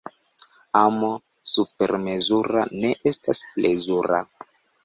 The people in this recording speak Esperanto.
Amo supermezura ne estas plezura.